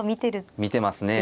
見てますね。